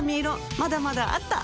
まだまだあった！